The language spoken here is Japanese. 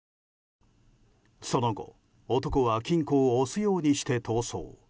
その後、男は金庫を押すようにして逃走。